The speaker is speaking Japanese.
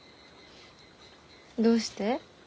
どうして？